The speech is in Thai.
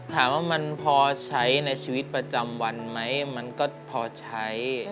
ถามว่ามันพอใช้ในชีวิตประจำวันไหมมันก็พอใช้